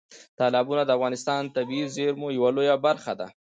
تالابونه د افغانستان د طبیعي زیرمو یوه لویه برخه ده.